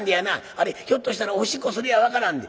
あれひょっとしたらおしっこするや分からんで。